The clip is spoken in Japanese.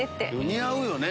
似合うよね